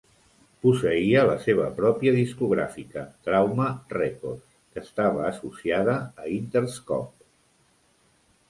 Posseïa la seva pròpia discogràfica Trauma Records, que estava associada a Interscope.